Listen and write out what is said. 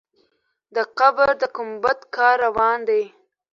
د قبر د ګمبد کار روان دی.